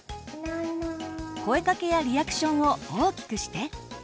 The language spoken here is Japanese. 声かけやリアクションを大きくして。